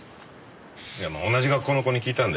同じ学校の子に聞いたんだよ。